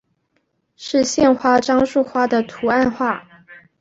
是县花樟树花的图案化。